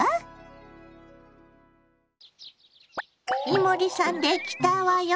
伊守さんできたわよ。